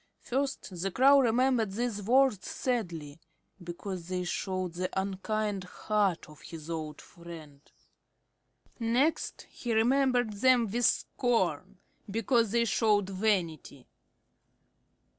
First the Crow remembered these words sadly, because they showed the unkind heart of his old friend. Next he remembered them with scorn, because they showed vanity.